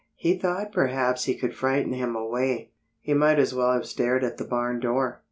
He thought perhaps he could frighten him away. He might as well have stared at the barn door.